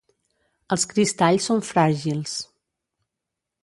Els cristalls són fràgils.